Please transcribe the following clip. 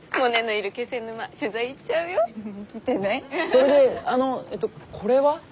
それであのえっとこれは。